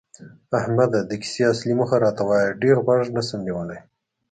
احمده! د کیسې اصلي موخه راته وایه، ډېر غوږ نشم نیولی.